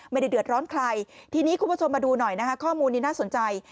ไม่ได้เดือดร้อนใครทีนี้คุณผู้ชมมาดูหน่อยนะคะข้อมูลนี้น่าสนใจ